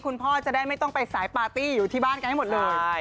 คุณพ่อจะได้ไม่ต้องไปสายปาร์ตี้อยู่ที่บ้านกันให้หมดเลย